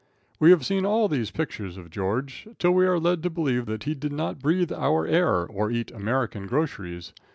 We have seen all these pictures of George, till we are led to believe that he did not breathe our air or eat American groceries.